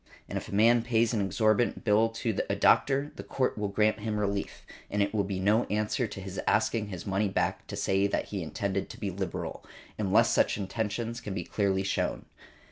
And if a man pays an exorbitant bill to a doctor, the Court will grant him relief; and it will be no answer to his asking his money back to say that he intended to be liberal, unless such intentions can be clearly shown .